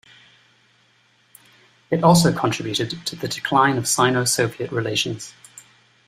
It also contributed to the decline of Sino-Soviet relations.